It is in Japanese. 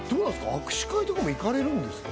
握手会とかも行かれるんですか？